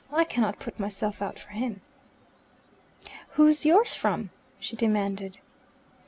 I cannot put myself out for him." "Who's yours from?" she demanded.